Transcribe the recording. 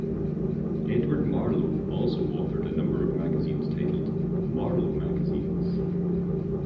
Edward Marlo also authored a number of magazines titled, "Marlo Magazines".